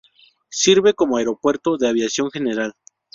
Sirve como aeropuerto de aviación general.